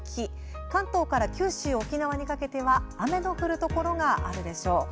関東から九州、沖縄にかけては雨の降るところがあるでしょう。